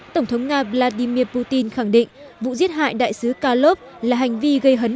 tổng thống nga vladimir putin khẳng định vụ giết hại đại sứ kalov là hành vi gây hấn